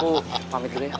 bu pamit dulu ya